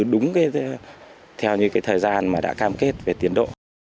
đúng theo những thời gian đã cam kết về tiến độ